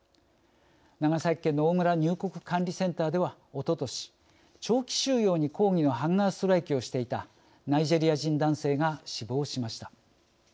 長崎県の大村入国管理センターではおととし長期収容に抗議のハンガーストライキをしていたナイジェリア人男性が死亡しました。